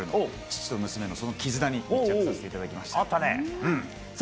父と娘のその絆に密着させていたあったね。